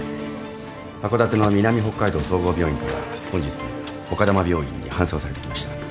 函館の南北海道総合病院から本日丘珠病院に搬送されてきました。